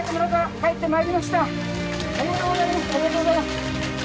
ありがとうございます。